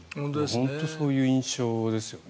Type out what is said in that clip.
本当にそういう印象ですよね。